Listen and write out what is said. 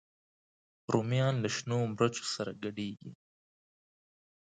رومیان له شنو مرچو سره ګډېږي